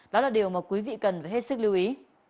đó là điều mà quý vị cần phải hết sức lưu ý